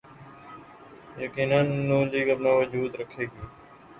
یقینا نون لیگ اپنا وجود رکھے گی۔